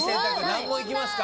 難問いきますか？